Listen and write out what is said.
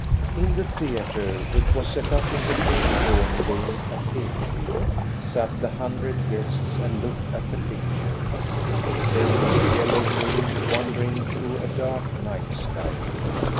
In the theatre, which was set up in the great drawing room at Ekeby, sat the hundred guests and looked at the picture, Spain's yellow moon wandering through a dark night sky.